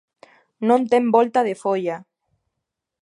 ¡Non ten volta de folla!